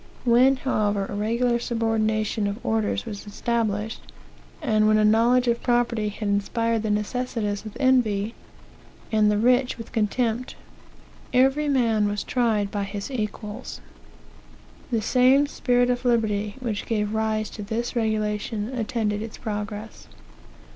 When, however, a regular subordination of orders was established, and when a knowledge of property had inspired the necessitous with envy, and the rich with contempt, every man was tried by his equals. The same spirit of liberty which gave rise to this regulation attended its progress.